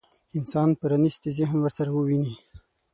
انسان پرانيستي ذهن ورسره وويني.